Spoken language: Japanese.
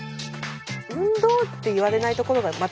運動っていわれないところがまたいいね。